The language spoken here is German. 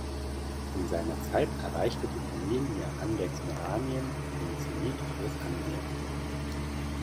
In seiner Zeit erreichte die Familie Andechs-Meranien den Zenit ihres Ansehens.